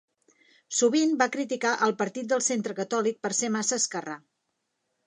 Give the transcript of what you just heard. Sovint va criticar el Partit del Centre Catòlic per ser massa esquerrà.